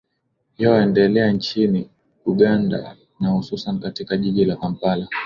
yo endelea nchini uganda na hususan katika jiji la kampala